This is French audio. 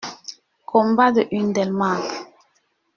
Combat de Hundelmarck.